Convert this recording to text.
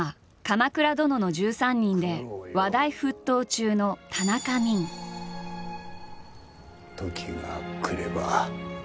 「鎌倉殿の１３人」で話題沸騰中の時が来れば。